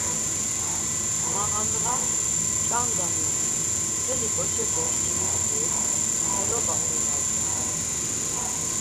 Ma handğa ç̌anda miğun mteli ǩoçepe çkimisti xeloba uğut̆as ya tku.